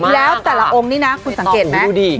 แล้วแต่ละองค์นี้นะคุณสังเกตไหม